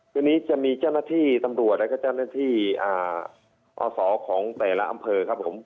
คืนนี้จะมีเจ้าหน้าที่ตำรวจแล้วก็เจ้าหน้าที่อศของแต่ละอำเภอครับผม